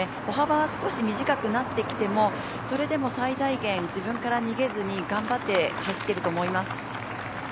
歩幅は少し短くなってきてもそれでも最大限自分から逃げずに頑張って走っていると思います。